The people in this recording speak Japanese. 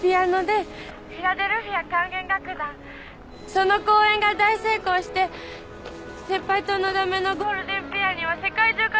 その公演が大成功して先輩とのだめのゴールデンペアには世界中から出演依頼が来るんですよ。